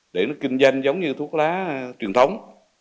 để nó kinh doanh giống như thuốc lá truyền thống